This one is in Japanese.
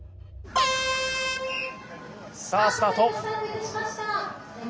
さあスタート。